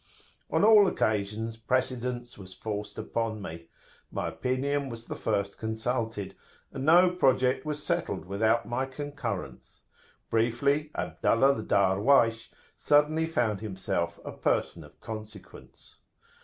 On all occasions precedence was forced upon me; my opinion was the first consulted, and no project was settled without my concurrence: briefly, Abdullah the Darwaysh suddenly found himself a person of consequence.